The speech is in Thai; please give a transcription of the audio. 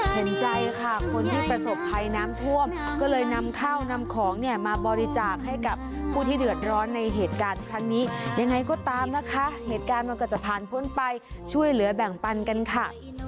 เห็นใจค่ะคนที่ประสบภัยน้ำท่วมก็เลยนำข้าวนำของเนี่ยมาบริจาคให้กับผู้ที่เดือดร้อนในเหตุการณ์ครั้งนี้ยังไงก็ตามนะคะเหตุการณ์มันก็จะผ่านพ้นไปช่วยเหลือแบ่งปันกันค่ะ